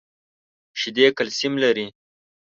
شیدې کلسیم لري .